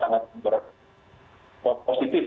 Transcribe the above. selama itu pelaporan kami sangat positif